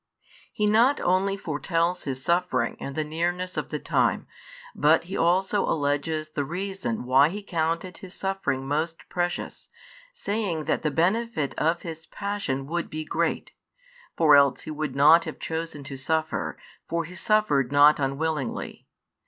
He not only foretells His suffering and the nearness of the time, but He also alleges the reason why He counted His suffering most precious, saying that the benefit of His passion would be great; for else He would not have chosen to suffer, for He suffered not unwillingly.